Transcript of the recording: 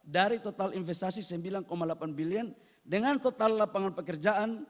dari total investasi sembilan delapan bilion dengan total lapangan pekerjaan